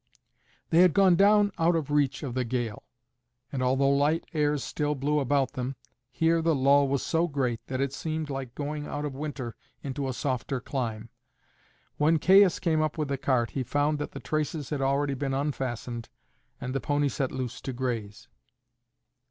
They had gone down out of the reach of the gale; and although light airs still blew about them, here the lull was so great that it seemed like going out of winter into a softer clime. When Caius came up with the cart he found that the traces had already been unfastened and the pony set loose to graze.